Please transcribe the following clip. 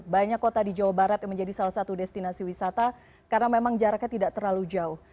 banyak kota di jawa barat yang menjadi salah satu destinasi wisata karena memang jaraknya tidak terlalu jauh